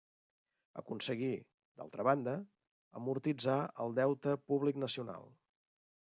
Aconseguí, d'altra banda, amortitzar el deute públic nacional.